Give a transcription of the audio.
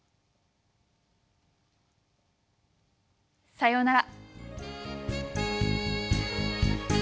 さようなら。